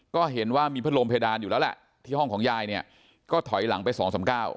ก็เห็นว่ามีพัดลมเพดานอยู่แล้วแหละที่ห้องของยายเนี่ยก็ถอยหลังไปสองสามเก้า